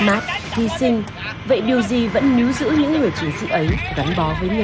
mất mát hy sinh vậy điều gì vẫn níu giữ những người chuyển sĩ ấy đánh bó với nghề